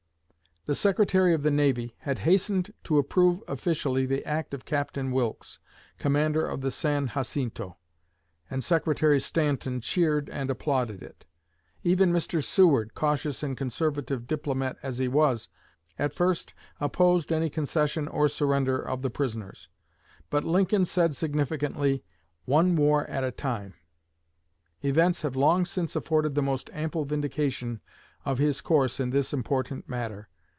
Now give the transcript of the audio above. The Secretary of the Navy had hastened to approve officially the act of Captain Wilkes, commander of the "San Jacinto," and Secretary Stanton "cheered and applauded" it. Even Mr. Seward, cautious and conservative diplomat as he was, at first "opposed any concession or surrender of the prisoners." But Lincoln said significantly, "One war at a time." Events have long since afforded the most ample vindication of his course in this important matter.